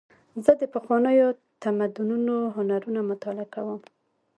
زه د پخوانیو تمدنونو هنرونه مطالعه کوم.